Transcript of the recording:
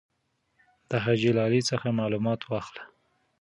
د حاجي لالي څخه معلومات واخله.